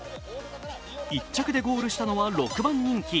１着でゴールしたのは６番人気。